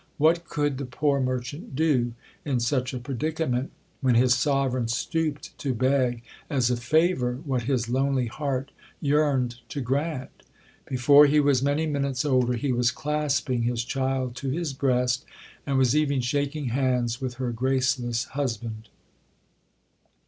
What could the poor merchant do in such a predicament, when his Sovereign stooped to beg as a favour what his lonely heart yearned to grant? Before he was many minutes older he was clasping his child to his breast; and was even shaking hands with her graceless husband.